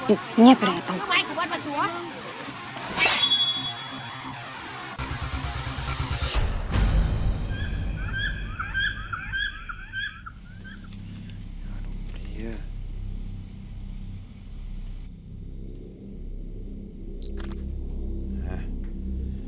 อุ๊ยเงียบไปเลยอาตาล